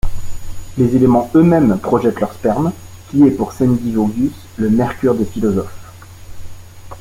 Les éléments eux-mêmes projettent leur 'sperme' qui est pour Sendivogius le 'mercure des philosophes'.